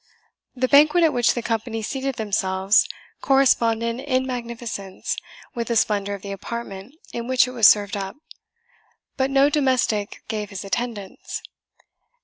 The banquet at which the company seated themselves corresponded in magnificence with the splendour of the apartment in which it was served up, but no domestic gave his attendance.